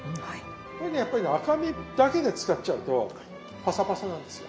これねやっぱりね赤身だけで使っちゃうとパサパサなんですよ。